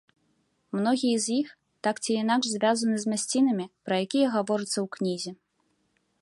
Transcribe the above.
Многія з іх так ці інакш звязаны з мясцінамі, пра якія гаворыцца ў кнізе.